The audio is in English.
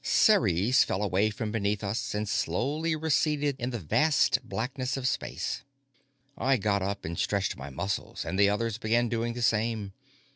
Ceres fell away from beneath us and slowly receded in the vast blackness of space. I got up and stretched my muscles, and the others began doing the same.